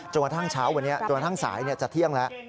จนกว่าทั้งเช้าจนกว่าทั้งสายจะเที่ยงแล้ว